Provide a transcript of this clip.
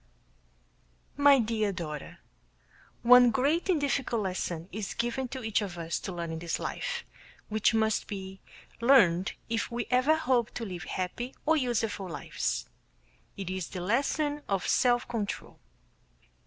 My Dear Daughter: One great and difficult lesson is given to each of us to learn in this life, which must be learned if we ever hope to live happy or useful lives. It is the lesson of self control.